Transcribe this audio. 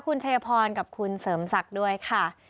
คุณชัยพรกับคุณเสริมศักดิ์ด้วยค่ะ